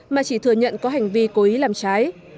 mà chỉ thừa nhận có hành vi cố ý làm trái